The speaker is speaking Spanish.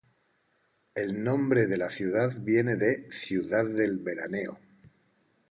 El nombre de la ciudad viene de "Ciudad del Veraneo".